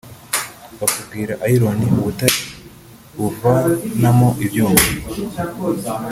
bakubwira Iron (ubutare) bavanamo ibyuma